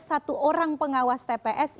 satu orang pengawas tps